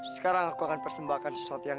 sekarang aku akan persembahkan sesuatu yang